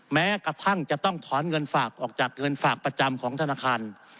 แม้กระทั่งจะต้องถอนเงินฝากออกจากเงินฝากประจำของธนาคาร